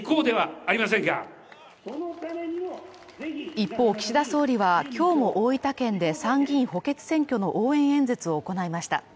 一方、岸田総理は今日も大分県で参議院補欠選挙の応援演説を行いました。